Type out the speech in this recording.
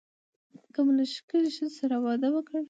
که مو له ښکلې ښځې سره واده وکړ.